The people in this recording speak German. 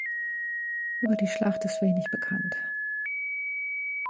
Über die Schlacht ist wenig bekannt.